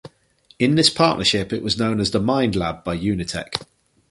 In this partnership it was known as The Mind Lab by Unitec.